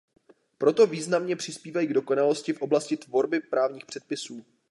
Proto významně přispívají k dokonalosti v oblasti tvorby právních předpisů.